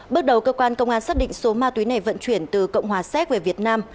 bước đầu cơ quan công an xác định số ma túy này vận chuyển từ cộng hòa séc về việt nam